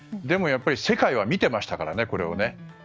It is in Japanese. でもやっぱり世界は見ていましたからね、これを。